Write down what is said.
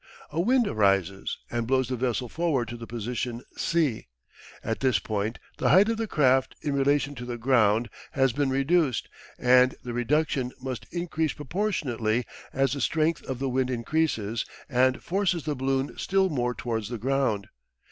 A wind arises and blows the vessel forward to the position C. At this point the height of the craft in relation to the ground has been reduced, and the reduction must increase proportionately as the strength of the wind increases and forces the balloon still more towards the ground.